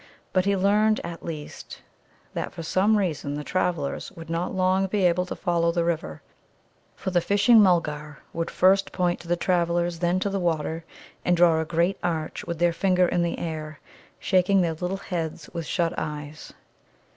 But he learned at least that, for some reason, the travellers would not long be able to follow the river, for the Fishing mulgar would first point to the travellers, then to the water, and draw a great arch with their finger in the air, shaking their little heads with shut eyes.